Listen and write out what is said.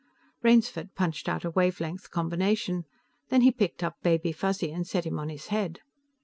Rainsford punched out a wavelength combination. Then he picked up Baby Fuzzy and set him on his head.